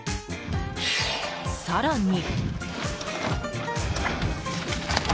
更に。